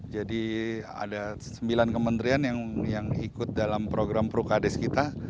jadi ada sembilan kementerian yang ikut dalam program pro kades kita